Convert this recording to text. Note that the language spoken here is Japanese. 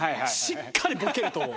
しっかりボケると思う。